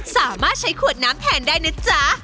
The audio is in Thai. สามารถใช้ขวดน้ำแทนได้นะจ๊ะ